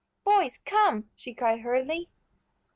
"Boys, come!" she cried hurriedly.